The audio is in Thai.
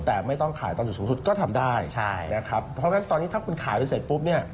แต่ไม่ต้องขายตอนอยู่สูงสุดก็ทำได้ใช่นะครับเพราะฉะนั้นตอนนี้ถ้าคุณขายไปเสร็จปุ๊บเนี่ย